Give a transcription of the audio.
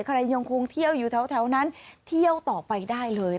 ยังคงเที่ยวอยู่แถวนั้นเที่ยวต่อไปได้เลย